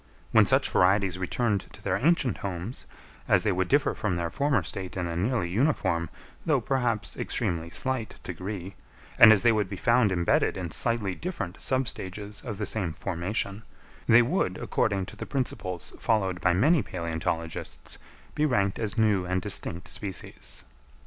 When such varieties returned to their ancient homes, as they would differ from their former state in a nearly uniform, though perhaps extremely slight degree, and as they would be found embedded in slightly different sub stages of the same formation, they would, according to the principles followed by many palæontologists, be ranked as new and distinct species.